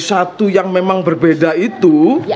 satu yang memang berbeda itu